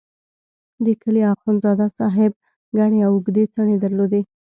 د کلي اخندزاده صاحب ګڼې او اوږدې څڼې درلودې.